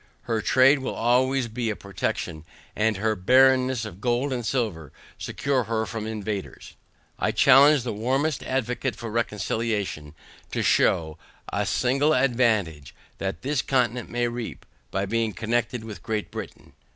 Her trade will always be a protection, and her barrenness of gold and silver secure her from invaders. I challenge the warmest advocate for reconciliation, to shew, a single advantage that this continent can reap, by being connected with Great Britain.